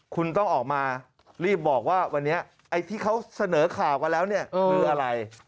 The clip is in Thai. คุณต้องออกมารีบบอกว่าวันนี้ไอ้ที่เขาเสนอข่าวกันแล้วเนี่ยคืออะไร